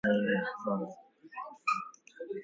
Too much materialism and too little spirituality.